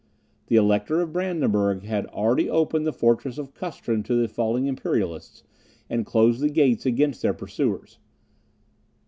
The Elector of Brandenburg had already opened the fortress of Custrin to the flying Imperialists, and closed the gates against their pursuers.